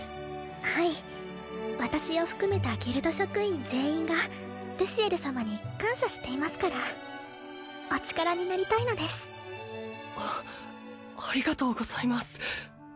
はい私を含めたギルド職員全員がルシエル様に感謝していますからお力になりたいのですあありがとうございます